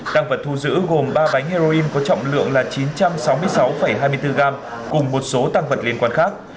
tăng vật thu giữ gồm ba bánh heroin có trọng lượng là chín trăm sáu mươi sáu hai mươi bốn gram cùng một số tăng vật liên quan khác